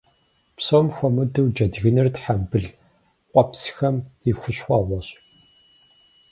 Псом хуэмыдэу, джэдгыныр тхьэмбыл къуэпсхэм и хущхъуэгъуэщ.